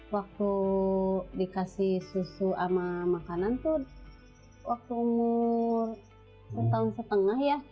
waktu dikasih susu sama makanan tuh waktu umur sepuluh tahun setengah ya